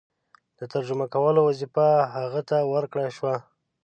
د ترجمه کولو وظیفه هغه ته ورکړه شوه.